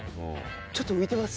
ちょっと浮いてます。